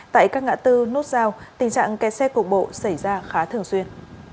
tại các ngã tư nốt giao tình trạng ké xe cục bộ xảy ra khá thường xuyên